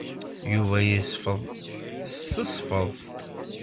Yuba yesfeḍ s tesfeḍt.